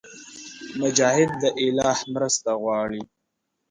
مجاهد د الهي مرسته غواړي.